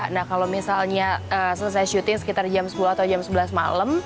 nah kalau misalnya selesai syuting sekitar jam sepuluh atau jam sebelas malam